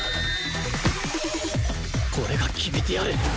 俺が決めてやる！